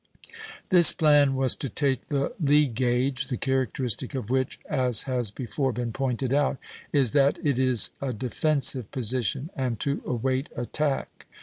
This plan was to take the lee gage, the characteristic of which, as has before been pointed out, is that it is a defensive position, and to await attack.